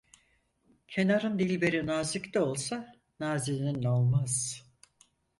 Kenarın dilberi nazik de olsa nazenin olmaz.